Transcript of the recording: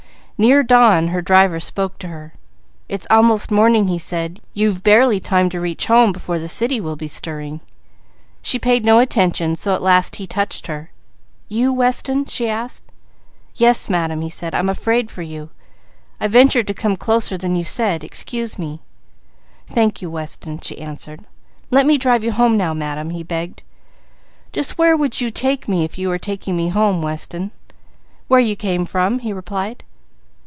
Near dawn her driver spoke to her. "It's almost morning," he said. "You've barely time to reach home before the city will be stirring." She paid no attention, so at last he touched her. "You, Weston?" she asked. "Yes, Madam," he said. "I'm afraid for you. I ventured to come closer than you said. Excuse me." "Thank you Weston," she answered. "Let me drive you home now, Madam," he begged. "Just where would you take me if you were taking me home, Weston?" "Where we came from," he replied.